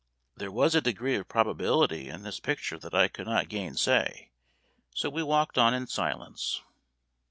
There was a degree of probability in this picture that I could not gainsay, so we walked on in silence.